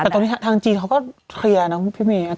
แต่ตอนนี้ทางจีนเขาก็เคลียร์นะพี่เมย์